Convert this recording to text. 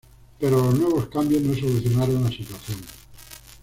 Pero los nuevos cambios no solucionaron la situación.